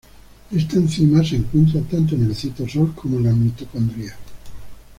Esta enzima se encuentra tanto en el citosol como en la mitocondria.